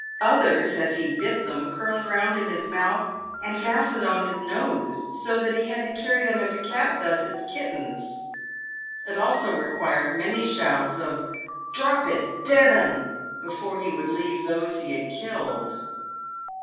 Others, as he bit them, curled round in his mouth and fastened on his nose, so that he had to carry them as a cat does its kittens. It also required many shouts of "Drop it — dead 'un," before he would leave those he had killed.